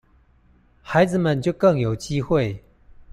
孩子們就更有機會